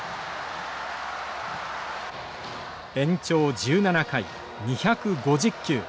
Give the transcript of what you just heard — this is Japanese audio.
延長１７回２５０球。